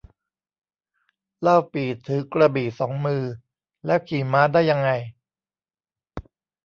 เล่าปี่ถือกระบี่สองมือ แล้วขี่ม้าได้ยังไง